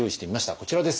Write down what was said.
こちらです。